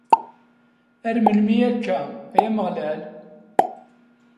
Ar melmi akka, a Ameɣlal?